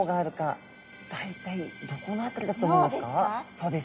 そうです。